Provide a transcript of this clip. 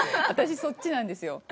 私そっちなんですよ。